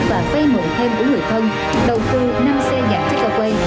và phê mượn thêm của người thân đầu tư năm xe giả checkaway